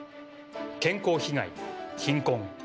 健康被害貧困。